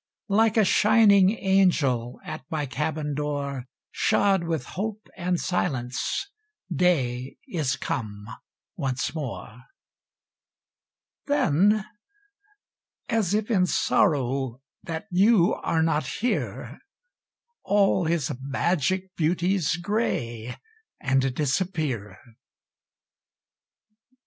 Like a shining angel At my cabin door, Shod with hope and silence, Day is come once more. Then, as if in sorrow That you are not here, All his magic beauties Gray and disappear.